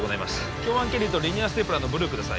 強彎ケリーとリニアステープラーのブルーください